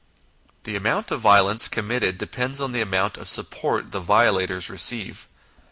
The amount of violence committed depends on the amount of support the violators receive.